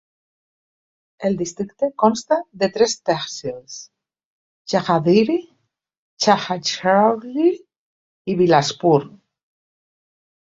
El districte consta de tres tehsils: Jagadhri, Chhachhrauli i Bilaspur.